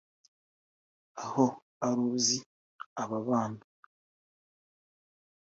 Aho uruzi aba bana